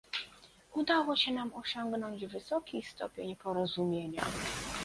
Udało się nam osiągnąć wysoki stopień porozumienia